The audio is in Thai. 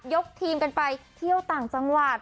ทีมกันไปเที่ยวต่างจังหวัด